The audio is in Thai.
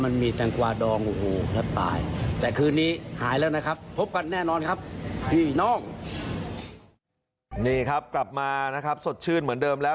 นี่ครับกลับมานะครับสดชื่นเหมือนเดิมแล้ว